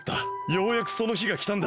ようやくそのひがきたんだ。